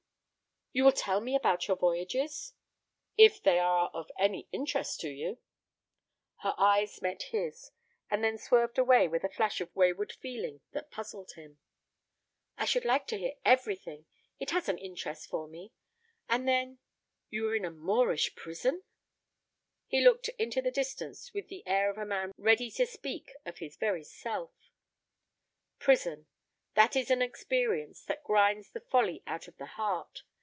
"You will tell me about your voyages?" "If they are of any interest to you." Her eyes met his, and then swerved away with a flash of wayward feeling that puzzled him. "I should like to hear everything. It has an interest for me. And then—you were in a Moorish prison?" He looked into the distance with the air of a man ready to speak of his very self. "Prison. That is an experience that grinds the folly out of the heart.